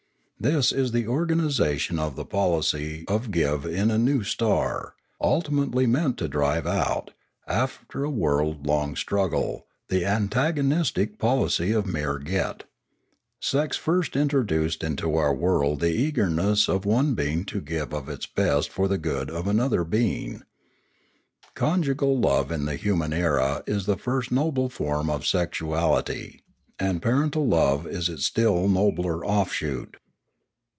This is the organisation of the policy of give in a new star, ultim ately meant to drive out, after a world long struggle, the antagonistic policy of mere get. Sex first intro duced into our world the eagerness of one being to give of its best for the good of another being. Conjugal love in the human era is the first noble form of sexual ity; and parental love is its still nobler offshoot.